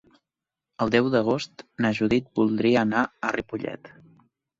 El deu d'agost na Judit voldria anar a Ripollet.